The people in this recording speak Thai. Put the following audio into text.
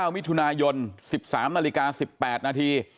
มิถุนายน๑๓นาฬิกา๑๘นาที